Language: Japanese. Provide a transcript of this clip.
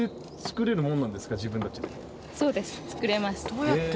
どうやって？